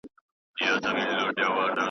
ماته لېونتوب د ښار کوڅي کوڅې اور کړي دي .